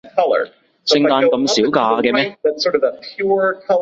聖誕咁少假嘅咩？